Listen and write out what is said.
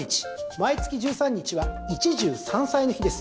毎月１３日は一汁三菜の日です。